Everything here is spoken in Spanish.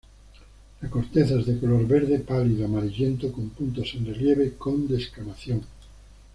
La corteza es de color verde pálido amarillento, con puntos en relieve, con descamación.